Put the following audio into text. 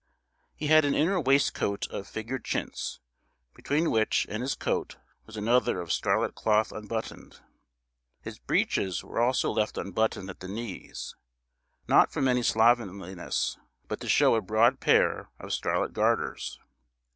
He had an inner waistcoat of figured chintz, between which and his coat was another of scarlet cloth unbuttoned. His breeches were also left unbuttoned at the knees, not from any slovenliness, but to show a broad pair of scarlet garters.